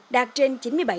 đạt trên chín mươi bảy